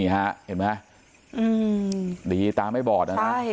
นี่ฮะเห็นมั้ยดีตาไม่บอดนะครับ